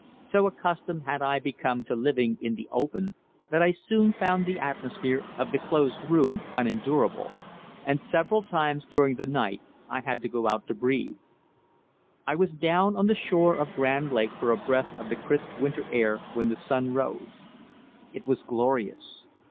So accustomed had I become to living in the open that I soon found the atmosphere of the closed room unendurable, and several times during the night I had to go out to breathe. I was down on the shore of Grand Lake for a breath of the crisp winter air when the sun rose. It was glorious.